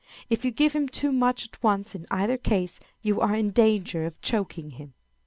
If you give him too much at once in either case, you are in danger of choking him.